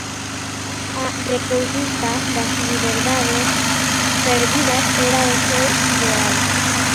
A reconquista das liberdades perdidas era o seu ideal.